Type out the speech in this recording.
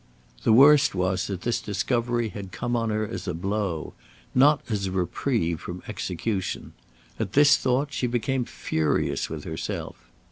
The worst was that this discovery had come on her as a blow, not as a reprieve from execution. At this thought she became furious with herself.